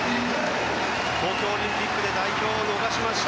東京オリンピックで代表を逃しました。